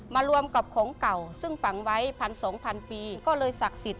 มารวมกับของเก่าซึ่งฝังไว้พันสองพันปีก็เลยศักดิ์สิทธิ